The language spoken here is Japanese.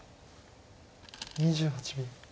２８秒。